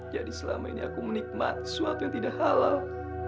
jadi selama ini aku menikmati suatu yang tidak halal